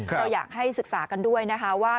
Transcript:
เราอยากให้ศึกษากันด้วยนะคะว่า